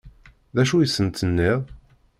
D acu i sent-tenniḍ?